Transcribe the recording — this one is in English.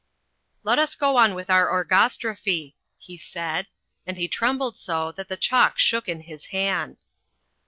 "Let us go on with our orgastrophy," he said. And he trembled so that the chalk shook in his hand.